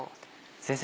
先生